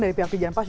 dari pihak pijan pas